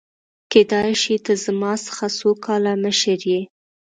کيدای شي ته زما څخه څو کاله مشر يې !؟